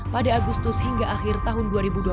pada agustus hingga akhir tahun dua ribu dua puluh satu